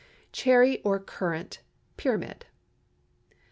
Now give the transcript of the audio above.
CHERRY OR CURRANT PYRAMID.